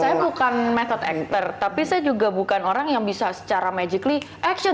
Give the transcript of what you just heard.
saya bukan metode actor tapi saya juga bukan orang yang bisa secara magically action